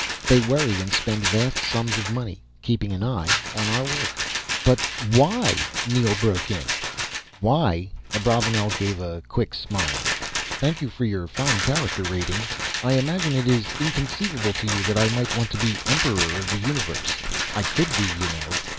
They worry and spend vast sums of money keeping an eye on our work." "But why?" Neel broke in. "Why?" Abravanel gave a quick smile. "Thank you for fine character rating. I imagine it is inconceivable to you that I might want to be Emperor of the Universe. I could be, you know.